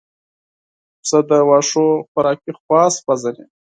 پسه د واښو خوراکي خواص پېژني.